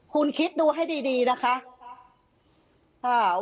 คุณคิดดูให้ดีนะคะ